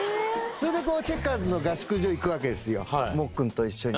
それでこうチェッカーズの合宿所行くわけですよもっくんと一緒に。